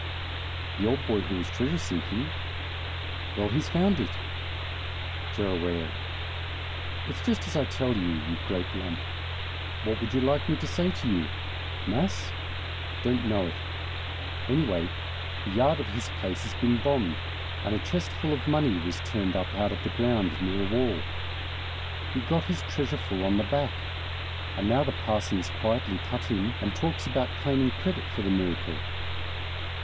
"The old boy who was treasure seeking?" "Well, he's found it!" "Gerraway!" "It's just as I tell you, you great lump! What would you like me to say to you? Mass? Don't know it. Anyway, the yard of his place has been bombed, and a chest full of money was turned up out of the ground near a wall. He got his treasure full on the back. And now the parson's quietly cut in and talks about claiming credit for the miracle."